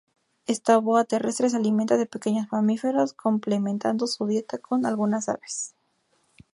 Esta boa terrestre se alimenta de pequeños mamíferos, complementando su dieta con algunas aves.